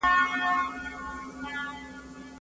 د شاګرد حقوق نه خوړل کېږي.